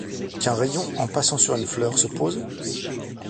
Qu'un rayon en passant sur une fleur se pose ?